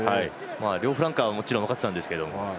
両フランカーはもちろん分かっていたんですが。